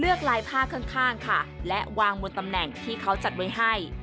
ลายผ้าข้างค่ะและวางบนตำแหน่งที่เขาจัดไว้ให้